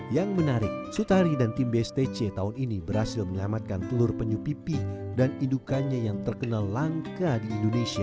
yang menarik sutari dan tim bstc tahun ini berhasil menyelamatkan telur penyu pipih dan indukannya yang terkenal langka di indonesia